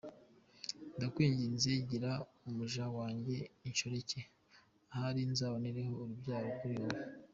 Ndakwingize gira umuja wanjye inshoreke, ahari nzabonera urubyaro kuri we .